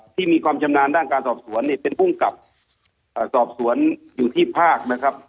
ที่มีความกลางการสอบสนนะภูกกลับสอบสนที่ภาค